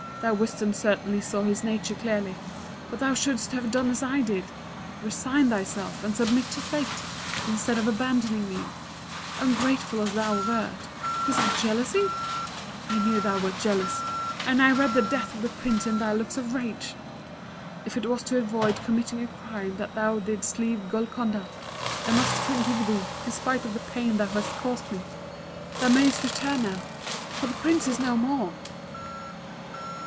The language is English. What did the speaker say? Thy wisdom certainly saw his nature clearly; but thou shouldst have done as I did resign thyself, and submit to fate, instead of abandoning me ungrateful as thou wert because of jealousy? I knew thou wert jealous and I read the death of the Prince in thy looks of rage! If it was to avoid committing a crime that thou didst leave Golconda, I must forgive thee, in spite of the pain thou hast caused me. Thou mayest return now for the Prince is no more!"